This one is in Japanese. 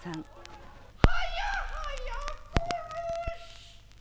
はやはや殺して！